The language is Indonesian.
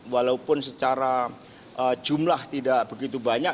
walaupun secara jumlah tidak begitu banyak